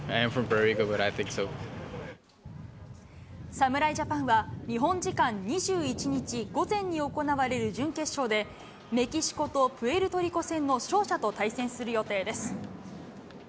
侍ジャパンは、日本時間２１日午前に行われる準決勝で、メキシコとプエルトリコ戦の勝者と対戦する予定です。